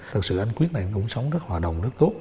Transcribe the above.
thực sự anh quyết này cũng sống rất hòa đồng rất tốt